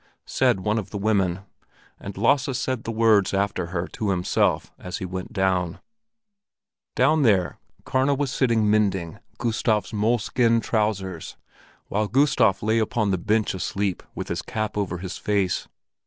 said one of the women, and Lasse said the words after her to himself as he went down. Down there Karna was sitting mending Gustav's moleskin trousers, while Gustav lay upon the bench asleep with his cap over his face.